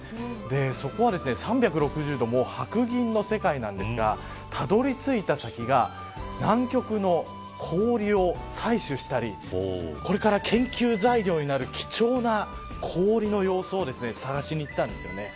そこは３６０度もう白銀の世界なんですがたどり着いた先が南極の氷を採取したりこれから研究材料になる貴重な氷の様子を探しに行ったんですよね。